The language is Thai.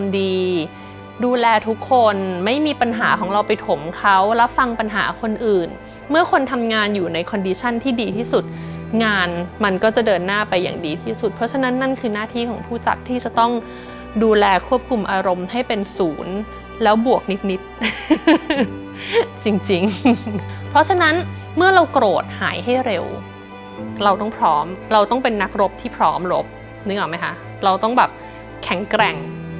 ดีดูแลทุกคนไม่มีปัญหาของเราไปถมเขารับฟังปัญหาคนอื่นเมื่อคนทำงานอยู่ในคอนดิชั่นที่ดีที่สุดงานมันก็จะเดินหน้าไปอย่างดีที่สุดเพราะฉะนั้นนั่นคือหน้าที่ของผู้จัดที่จะต้องดูแลควบคุมอารมณ์ให้เป็นศูนย์แล้วบวกนิดนิดจริงเพราะฉะนั้นเมื่อเราโกรธหายให้เร็วเราต้องพร้อมเราต้องเป็นนักรบที่พร้อมลบนึกออกไหมคะเราต้องแบบแข็งแกร่ง